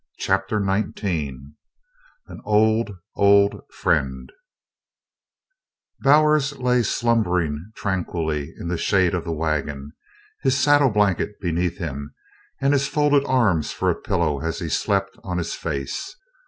CHAPTER XIX AN OLD, OLD FRIEND Bowers lay slumbering tranquilly in the shade of the wagon, his saddle blanket beneath him and his folded arms for a pillow as he slept on his face.